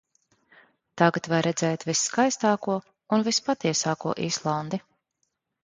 Tagad var redzēt visskaistāko un vispatiesāko Islandi.